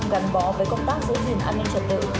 gắn bó với công tác giữ gìn an ninh trật tự